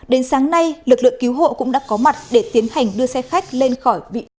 đến sáng nay lực lượng cứu hộ cũng đã có mặt để tiến hành đưa xe khách lên khỏi vị trí